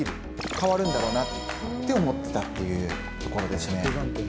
変わるんだろうなって思ったっていうところですね。